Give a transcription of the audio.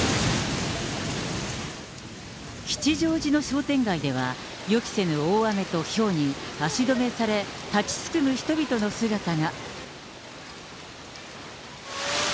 吉祥寺の商店街では、予期せぬ大雨とひょうに、足止めされ、立ちすくむ人々の姿が。